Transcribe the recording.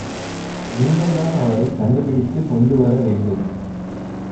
நீங்கள்தான் அவரைக் கண்டுபிடித்துக் கொண்டு வரவேண்டும்.